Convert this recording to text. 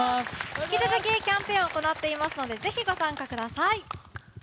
引き続きキャンペーンを行っていますのでぜひご参加ください。